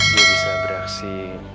dia bisa bereaksi